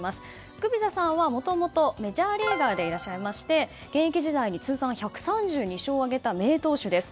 グビザさんはもともとメジャーリーガーでいらっしゃいまして現役時代に通算１３２勝を挙げた名投手です。